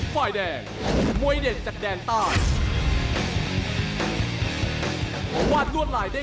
จองที่กลับช็อคคนดู